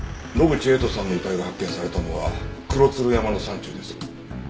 野口栄斗さんの遺体が発見されたのは黒鶴山の山中です。